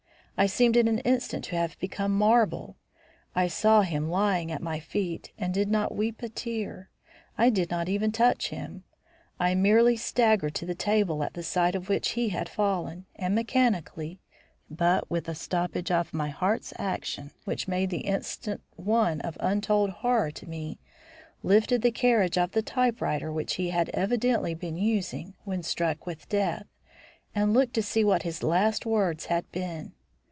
I seemed in an instant to have become marble. I saw him lying at my feet and did not weep a tear. I did not even touch him. I merely staggered to the table at the side of which he had fallen, and mechanically, but with a stoppage of my heart's action which made the instant one of untold horror to me, lifted the carriage of the typewriter which he had evidently been using when struck with death, and looked to see what his last words had been.